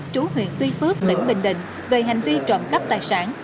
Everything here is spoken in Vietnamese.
chú huyện tuy phước tỉnh bình định về hành vi trộm cắp tài sản